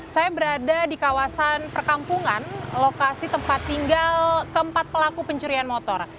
saya berada di kawasan perkampungan lokasi tempat tinggal keempat pelaku pencurian motor